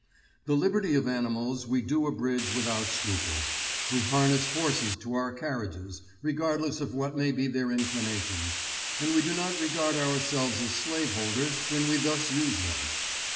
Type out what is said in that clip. The liberty of animals we do abridge without scruple; we harness horses to our carriages, regardless of what may be their inclinations, and we do not regard ourselves as slaveholders when we thus use them.